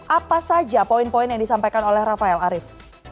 apa saja poin poin yang disampaikan oleh rafael arief